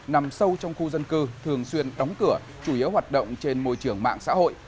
nằm sâu trong khu dân cư thường xuyên đóng cửa chủ yếu hoạt động trên môi trường mạng xã hội